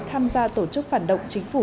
tham gia tổ chức phản động chính phủ